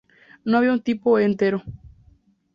No había un tipo entero.